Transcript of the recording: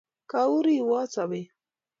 kaa u rewot sobeet?